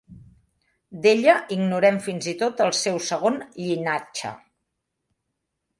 D'ella ignorem fins i tot el seu segon llinatge.